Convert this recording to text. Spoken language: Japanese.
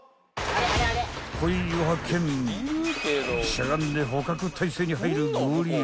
［しゃがんで捕獲体勢に入るゴリラ］